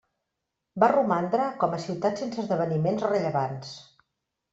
Va romandre com a ciutat sense esdeveniments rellevants.